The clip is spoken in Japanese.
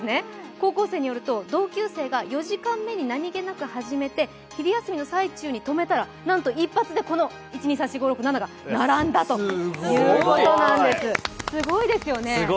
高校生によると、同級生が４時間目に何気なく始めて昼休みの最中に止めたら、なんと一発で、この１２３４５６７が並んだということなんです、すごいですよね。